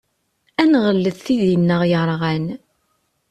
Ad nɣellet tidi-nneɣ yerɣan.